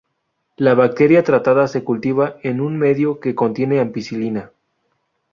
La bacteria tratada se cultiva en un medio que contiene ampicilina.